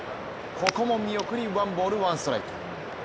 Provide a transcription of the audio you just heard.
ここも見送りワンボール・ワンストライク。